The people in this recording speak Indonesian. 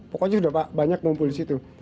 pokoknya sudah banyak ngumpul di situ